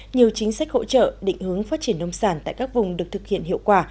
nhiều chính sách hỗ trợ định hướng phát triển nông sản tại các vùng được thực hiện hiệu quả